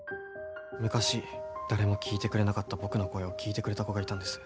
昔誰も聞いてくれなかった僕の声を聞いてくれた子がいたんです。